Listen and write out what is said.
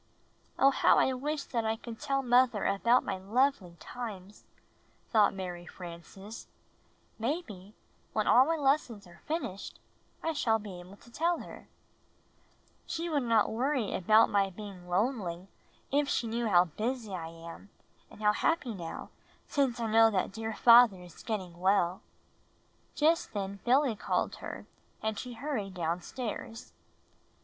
"Oh, how I wish that T could tell mother about To the delist of the Crochet Fkopk A Letter from Mother 125 my lovely times," thought Mary Frances. "Maybe when all my lessons are finished I shall be able to tell her. She would not worry about my being lonely if she knew how busy I am, and how happy now since I know that dear father is getting well." Just then Billy called her and she hurried down stairs.